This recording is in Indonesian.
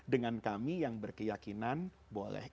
dengan kami yang berkeyakinan boleh